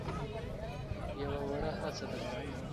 يوه وړه هڅه ده.